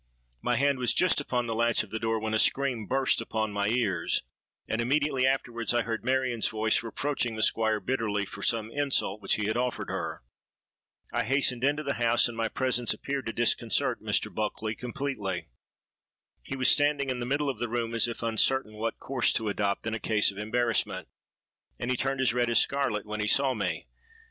My hand was just upon the latch of the door, when a scream burst upon my ears; and immediately afterwards I heard Marion's voice reproaching the Squire bitterly for some insult which he had offered her. I hastened into the house, and my presence appeared to disconcert Mr. Bulkeley completely. He was standing in the middle of the room, as if uncertain what course to adopt in a case of embarrassment; and he turned as red as scarlet when he saw me.